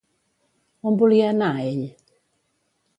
On volia anar, ell?